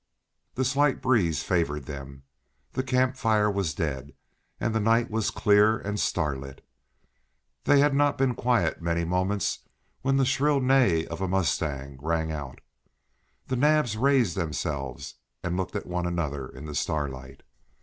The slight breeze favored them, the camp fire was dead, and the night was clear and starlit. They had not been quiet many moments when the shrill neigh of a mustang rang out. The Naabs raised themselves and looked at one another in the starlight.